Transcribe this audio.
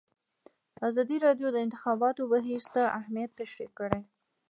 ازادي راډیو د د انتخاباتو بهیر ستر اهميت تشریح کړی.